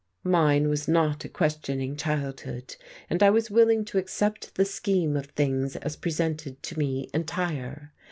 Mine was not a questioning childhood, and I was willing to accept the scheme of things as presented to me entire.